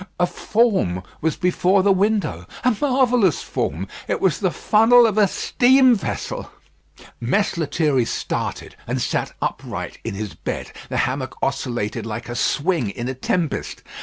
A form was before the window; a marvellous form. It was the funnel of a steam vessel. Mess Lethierry started, and sat upright in his bed. The hammock oscillated like a swing in a tempest.